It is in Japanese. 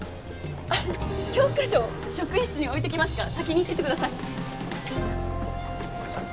教科書職員室に置いてきますから先に行っててください。